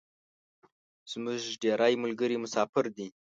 زمونږ ډیری ملګري مسافر دی